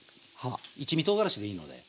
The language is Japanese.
一味とうがらしでいいので。